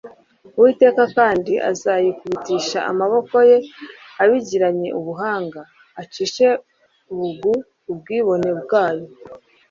uwiteka kandi azayikubitisha amaboko ye abigiranye ubuhanga, acishe bugu ubwibone bwayo